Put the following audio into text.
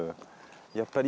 やっぱり。